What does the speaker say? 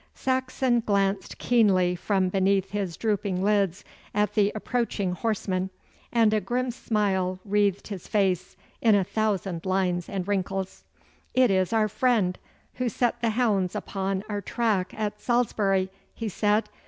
Saxon glanced keenly from beneath his drooping lids at the approaching horsemen, and a grim smile wreathed his face in a thousand lines and wrinkles. 'It is our friend who set the hounds upon our track at Salisbury,' he said.